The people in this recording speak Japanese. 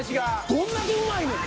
どんだけうまいねん。